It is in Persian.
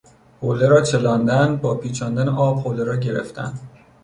حوله را چلاندن، باپیچاندن آب حوله را گرفتن